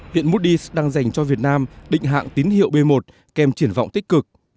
hiện moody s đang dành cho việt nam định hạng tín hiệu b một kèm triển vọng tích cực